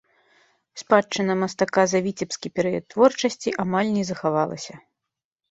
Спадчына мастака за віцебскі перыяд творчасці амаль не захавалася.